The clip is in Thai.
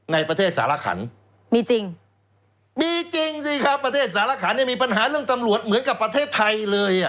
ในประเทศสารขันมีจริงมีจริงสิครับประเทศสารขันเนี่ยมีปัญหาเรื่องตำรวจเหมือนกับประเทศไทยเลยอ่ะ